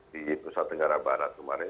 di nusantara barat kemarin